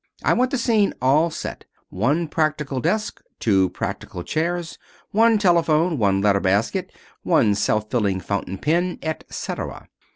I want the scene all set one practical desk, two practical chairs, one telephone, one letter basket, one self filling fountain pen, et cetera.